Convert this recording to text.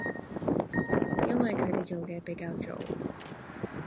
因為佢哋做嘅比較早